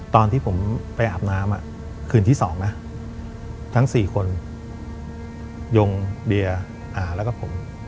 ตอนที่ผมไปอาบน้ำคืนที่๒นะทั้ง๔คนยงเบียร์แล้วก็ผม